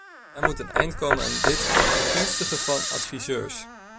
Er moet een eind komen aan dit begunstigen van adviseurs.